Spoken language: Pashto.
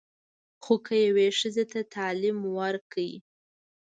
خو که یوې ښځې ته تعلیم ورکړې.